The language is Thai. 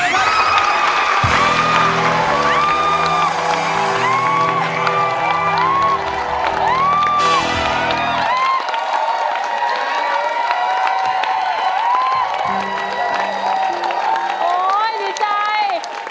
โอ้ยดีใจ